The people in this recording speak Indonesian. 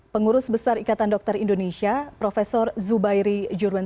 pengurus besar ikatan dokter indonesia profesor zubairi jurwen